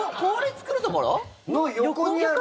その横にある。